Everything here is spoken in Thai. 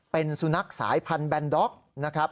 เป็นสุนัขสายพันธแบนด๊อกนะครับ